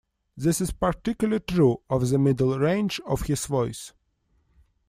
This is particularly true of the middle range of his voice.